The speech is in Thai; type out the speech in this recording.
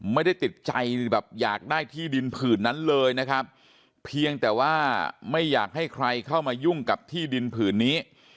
ไม่ได้ติดใจแบบอยากได้ที่ดินผืนนั้นเลยนะครับเพียงแต่ว่าไม่อยากให้ใครเข้ามายุ่งกับที่ดินผืนนี้